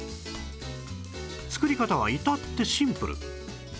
作り方は至ってシンプル